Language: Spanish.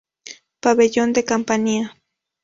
Pabellón de Campania.